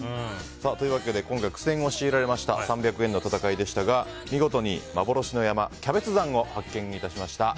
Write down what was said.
今回、苦戦を強いられました３００円の戦いでしたが見事に幻の山、キャベツ山を発見致しました。